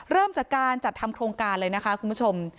เริ่มจากการจัดทำโครงการเลยนะคะคุณผู้ชม